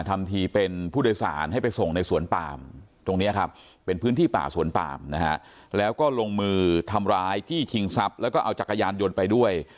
ทำทีเป็นผู้โดยสารให้ไปส่งในสวนปามตรงนี้ครับเป็นพื้นที่ป่าสวนปามนะฮะแล้วก็ลงมือทำร้ายจี้ชิงทรัพย์แล้วก็เอาจักรยานยนต์ไปด้วย